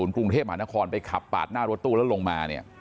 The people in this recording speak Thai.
กรุงเทพมหานครไปขับปาดหน้ารถตู้แล้วลงมาเนี่ย